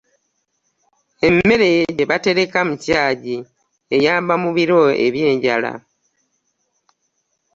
Emmere gyebatereka mu kyagi eyamba mu biro ebyenjala.